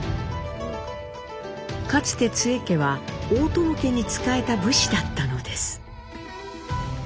かつて津江家は大友家に仕えた武士だったのです。